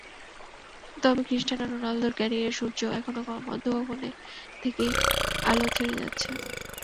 তবে ক্রিস্টিয়ানো রোনালদোর ক্যারিয়ারের সূর্য এখনো মধ্যগগনে থেকেই আলো ছড়িয়ে যাচ্ছে।